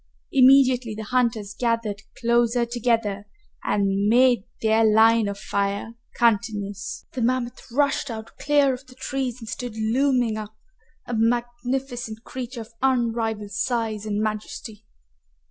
Immediately the hunters gathered closer together and made their line of fire continuous. The mammoth rushed out clear of the trees and stood looming up, a magnificent creature of unrivaled size and majesty.